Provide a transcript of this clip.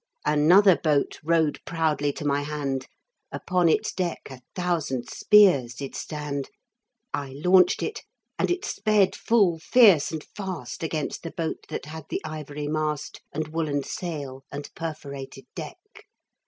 Another boat rode proudly to my hand, Upon its deck a thousand spears did stand; I launched it, and it sped full fierce and fast Against the boat that had the ivory mast And woollen sail and perforated deck.